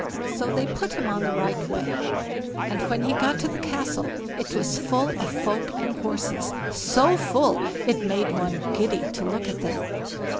So they put him into the right way, and when he got to the Castle it was full of folk and horses; so full it made one giddy to look at them.